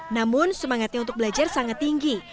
namun semangatnya untuk belajar sangat tinggi